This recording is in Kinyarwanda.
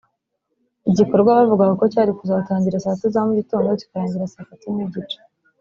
igikorwa bavugaga ko cyari kuzatangira saa tatu za mu gitondo kikarangira saa tatu n’igice